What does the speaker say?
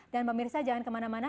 dan mbak mirsa jangan kemana mana